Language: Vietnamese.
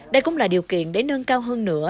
đây cũng là điều kiện để nâng cao hơn nữa